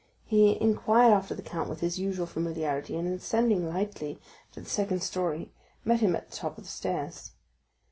He inquired after the count with his usual familiarity, and ascending lightly to the first story met him at the top of the stairs.